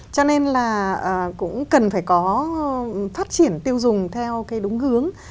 cho nên là cũng cần phải có phát triển tiêu dùng theo cái đúng hướng